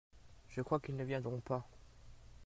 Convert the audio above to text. Je crois qu'ils ne viendront pas.